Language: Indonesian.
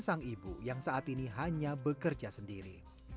sang ibu yang saat ini hanya bekerja sendiri